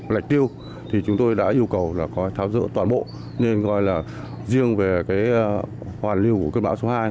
lệch tiêu thì chúng tôi đã yêu cầu là có tháo dỡ toàn bộ nên coi là riêng về cái hoàn lưu của cơn bão số hai